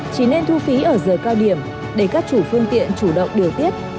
chỉ nên thu phí ở giờ cao điểm để các chủ phương tiện chủ động điều tiết